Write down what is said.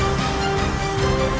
nyai yang lain